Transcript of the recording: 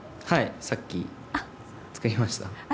さっき、作りました。